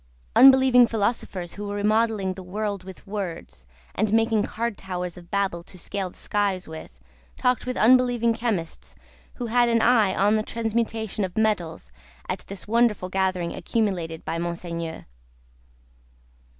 Unbelieving Philosophers who were remodelling the world with words, and making card towers of Babel to scale the skies with, talked with Unbelieving Chemists who had an eye on the transmutation of metals, at this wonderful gathering accumulated by Monseigneur.